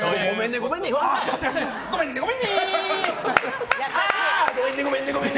ごめんねごめんね！